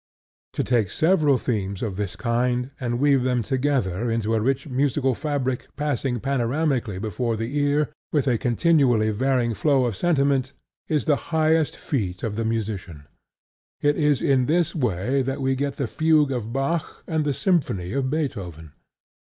To take several themes of this kind, and weave them together into a rich musical fabric passing panoramically before the ear with a continually varying flow of sentiment, is the highest feat of the musician: it is in this way that we get the fugue of Bach and the symphony of Beethoven.